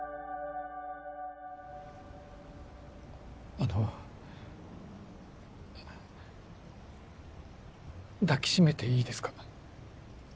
あの抱きしめていいですか？